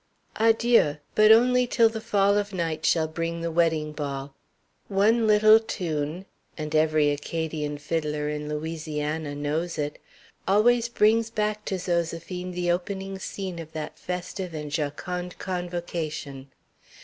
Adieu; but only till the fall of night shall bring the wedding ball. One little tune and every Acadian fiddler in Louisiana knows it always brings back to Zoséphine the opening scene of that festive and jocund convocation.